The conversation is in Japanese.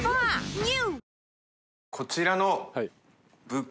ＮＥＷ！